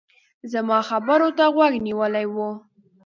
زما خبرو ته غوږ نيولی و.